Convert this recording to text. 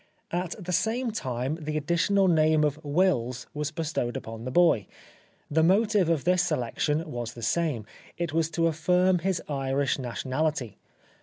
At the same time the additional name of Wills was bestowed upon the boy. The motive of this selection was the same. It was to affirm his Irish nationality.